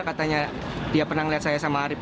katanya dia pernah melihat saya sama arief